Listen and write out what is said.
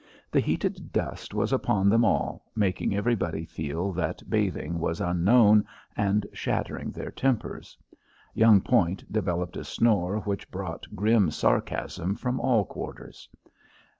The heated dust was upon them all, making everybody feel that bathing was unknown and shattering their tempers. Young Point developed a snore which brought grim sarcasm from all quarters.